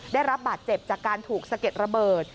ได้รับบาดเจ็บจากการถูกสะเก็ดระเบิด